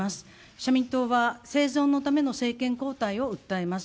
社民党は、生存のための政権交代を訴えます。